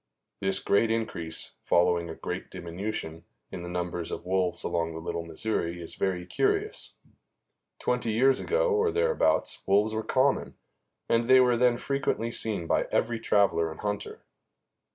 This great increase, following a great diminution, in the number of wolves along the Little Missouri is very curious. Twenty years ago, or thereabouts, wolves were common, and they were then frequently seen by every traveler and hunter.